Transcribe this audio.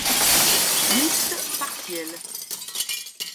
Liste partielle.